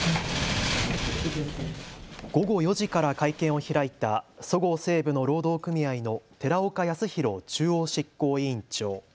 午後４時から会見を開いたそごう・西武の労働組合の寺岡泰博中央執行委員長。